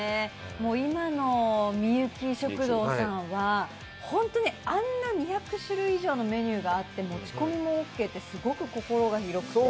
今のみゆき食堂さんは、あんな２００種類以上のメニューがあって持ち込みもオッケーってすごく心も広くて。